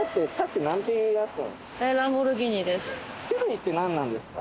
種類って何なんですか？